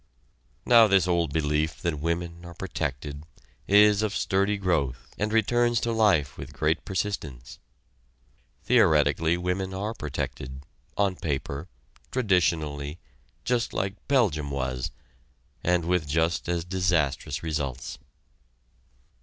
Now this old belief that women are protected is of sturdy growth and returns to life with great persistence. Theoretically women are protected on paper traditionally just like Belgium was, and with just as disastrous results.